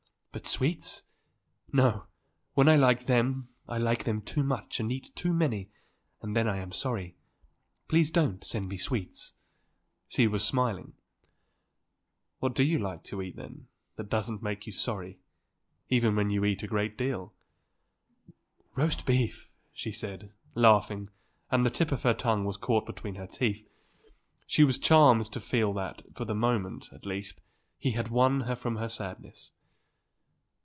But sweets? No; when I like them I like them too much and eat too many and then I am sorry. Please don't send me sweets." She was smiling. "What do you like to eat, then, that doesn't make you sorry even when you eat a great deal?" "Roast beef!" she said, laughing, and the tip of her tongue was caught between her teeth. He was charmed to feel that, for the moment, at least, he had won her from her sadness.